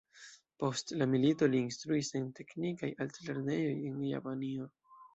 Post la milito li instruis en teknikaj alt-lernejoj en Japanio.